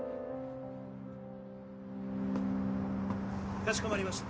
かしこまりました